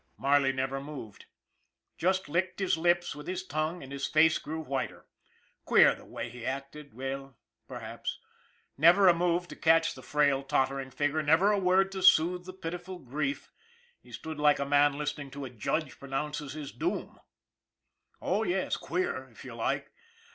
Marley never moved, just licked his lips with his tongue and his face grew whiter. Queer, the way he acted? Well, perhaps. Never a move to catch the frail, tottering figure, never a word to soothe the piti ful grief. He stood like a man listening as a judge pronounces his doom. Oh, yes, queer, if you like.